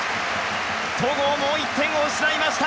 戸郷、もう１点を失いました。